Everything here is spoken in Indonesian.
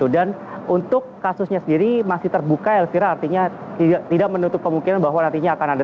dan untuk kasusnya sendiri masih terbuka elkira artinya tidak menutup kemungkinan bahwa nantinya akan ada penyidikan